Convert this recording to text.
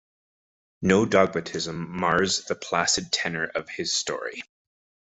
No dogmatism mars the placid tenor of his story.